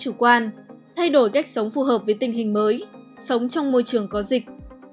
chủ quan thay đổi cách sống phù hợp với tình hình mới sống trong môi trường có dịch